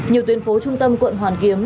nhiều tuyến phố trung tâm quận hoàn kiếm